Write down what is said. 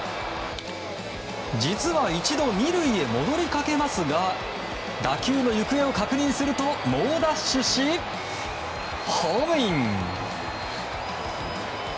実は一度、２塁へ戻りかけますが打球の行方を確認すると猛ダッシュし、ホームイン。